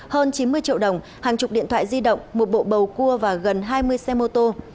hơn chín mươi triệu đồng hàng chục điện thoại di động một bộ bầu cua và gần hai mươi xe mô tô